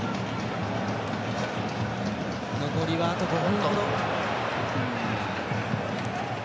残りは、あと５分。